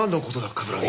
冠城。